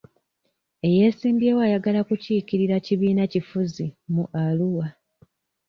Ey'esimbyewo ayagala kukiikirira kibiina kifuzi mu Arua.